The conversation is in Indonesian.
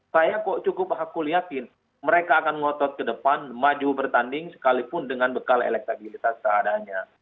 saya kok cukup aku yakin mereka akan ngotot ke depan maju bertanding sekalipun dengan bekal elektabilitas seadanya